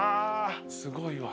すごいわ。